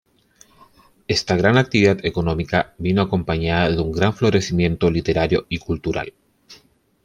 Esta gran actividad económica vino acompañada de un gran florecimiento literario y cultural.